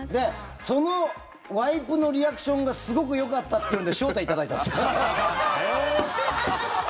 そのワイプのリアクションがすごくよかったっていうので招待いただいたんです。